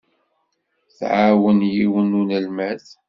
Tɛawen yiwen n unelmad.